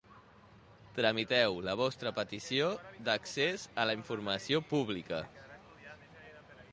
Tramiteu la vostra petició d'accés a la informació pública.